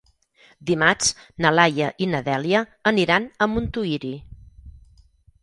Dimarts na Laia i na Dèlia aniran a Montuïri.